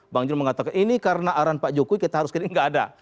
bang jo mengatakan ini karena aron pak jokowi kita harus kiri tidak ada